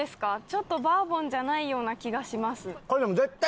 ちょっとバーボンじゃないような気がします。